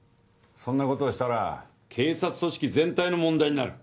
そんなことをしたら警察組織全体の問題になる